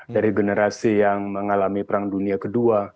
dari generasi yang mengalami perang dunia ii